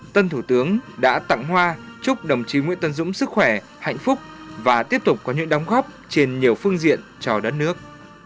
tân thủ tướng đã tặng hoa chúc đồng chí nguyễn tân dũng sức khỏe hạnh phúc và tiếp tục có những đóng góp trên nhiều phương diện cho đất nước